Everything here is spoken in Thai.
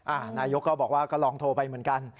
นายกก็บอกว่าก็ลองโทรไปเหมือนกัน